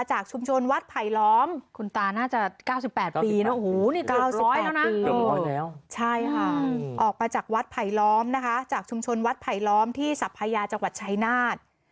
ใช่ค่ะออกมาจากวัดไผลล้อมนะคะจากชุมชนวัดไผลล้อมที่สัพพยาจังหวัดชัยนาฏ